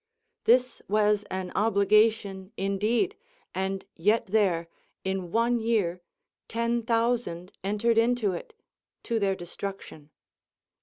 This was an obligation indeed, and yet there, in one year, ten thousand entered into it, to their destruction.